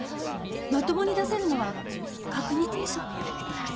まともに出せるのは角煮定食なら。